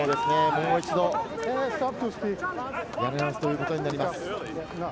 もう一度、やり直しということになります。